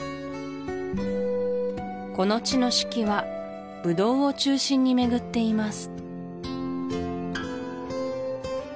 この地の四季はブドウを中心に巡っています